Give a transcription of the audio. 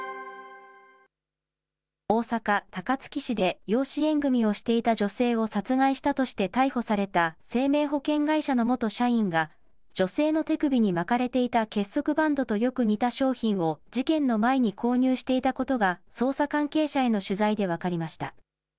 大阪・高槻市で養子縁組みをしていた女性を殺害したとして逮捕された生命保険会社の元社員が、女性の手首に巻かれていた結束バンドとよく似た商品を事件の前に購入していたことが、捜査関係者への取材で分かりました。